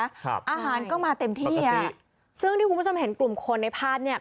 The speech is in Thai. ครับอาหารก็มาเต็มที่อ่ะซึ่งที่คุณผู้ชมเห็นกลุ่มคนในภาพเนี้ย